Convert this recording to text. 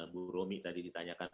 bu romi tadi ditanyakan